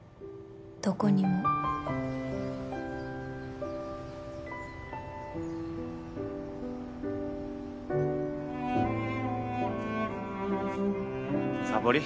どこにもさぼり？